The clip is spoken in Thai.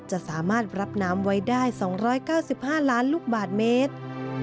จะสามารถรับน้ำไว้ได้๒๙๕ล้านลูกบาทเมตร